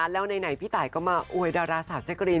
แล้วในไหนพี่ตายก็มาโอ๊ยดาราสาวแจ๊กกอลิน